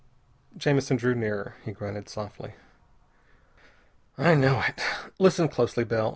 Jamison drew nearer. He grunted softly. "I know it. Listen closely, Bell.